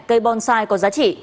cây bonsai có giá trị